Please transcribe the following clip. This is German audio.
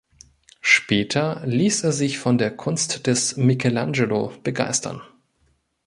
Später ließ er sich von der Kunst des Michelangelo begeistern.